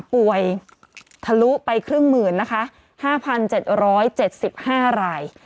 ป่วยทะลุไปครึ่งหมื่นนะคะห้าพันเจ็ดร้อยเจ็ดสิบห้าราย